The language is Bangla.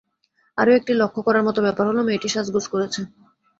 আরো একটি লক্ষ করার মতো ব্যাপার হল-মেয়েটি সাজগোজ করেছে।